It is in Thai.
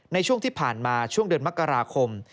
ในช่วงที่ผ่านมาช่วงเดือนมกราคม